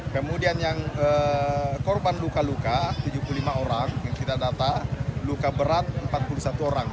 kemudian yang korban luka luka tujuh puluh lima orang yang kita data luka berat empat puluh satu orang